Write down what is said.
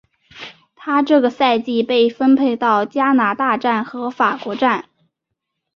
她这个赛季被分配到加拿大站和法国站。